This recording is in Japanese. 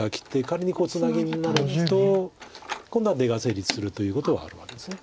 仮にツナギになると今度は出が成立するということはあるわけです。